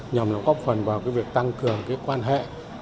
nhằm góp phần vào cái việc tăng cường cái quan hệ